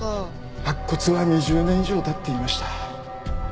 白骨は２０年以上経っていました。